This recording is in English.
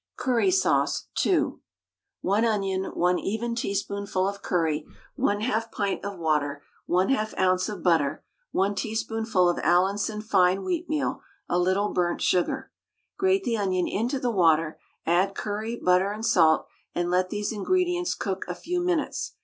CURRY SAUCE (2). 1 onion, 1 even teaspoonful of curry, 1/2 pint of water, 1/2 oz. of butter, 1 teaspoonful of Allinson fine wheatmeal, a little burnt sugar. Grate the onion into the water, add curry, butter, and salt, and let these ingredients cook a few minutes.